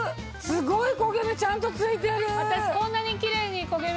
すごい焦げ目ちゃんとついてる！